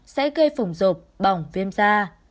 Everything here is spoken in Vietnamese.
sẽ gây phổng rộp bỏng viêm da